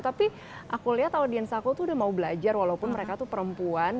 tapi aku lihat audiens aku tuh udah mau belajar walaupun mereka tuh perempuan